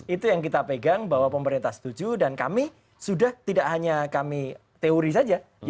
itu yang kita pegang bahwa pemerintah setuju dan kami sudah tidak hanya kami teori saja